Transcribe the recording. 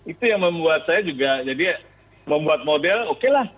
itu yang membuat saya juga jadi membuat model oke lah